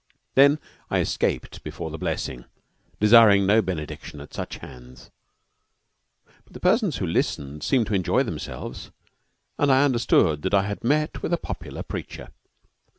Then I escaped before the blessing, desiring no benediction at such hands. But the persons who listened seemed to enjoy themselves, and I understood that I had met with a popular preacher.